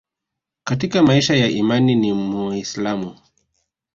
Katika maisha ya imani ni Muislamu